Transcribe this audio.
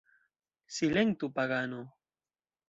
Silentu pagano!